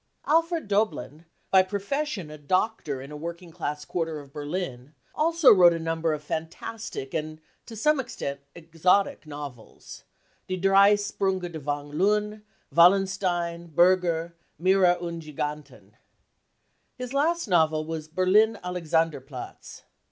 Alfred Doblin, by profession a doctor in a working class quarter of Berlin, also wrote a number of fantastic and, to some extent, exotic novels {Die drei Spriinge des Wang Lun P Wallenstein , Berge, Meere und Giganten) . His last novel was Berlin Alexanderplatz .